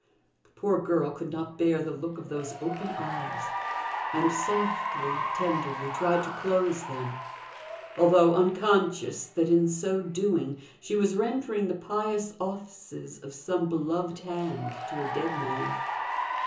The poor girl could not bear the look of those open eyes, and softly, tenderly, tried to close them, although unconscious that in so doing she was rendering the pious offices of some beloved hand to a dead man.